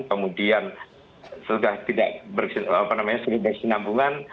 kemudian sudah tidak bersinambungan